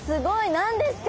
何ですか？